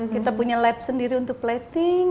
kita punya lab sendiri untuk plating